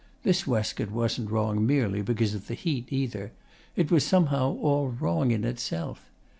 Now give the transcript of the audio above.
This waistcoat wasn't wrong merely because of the heat, either. It was somehow all wrong in itself.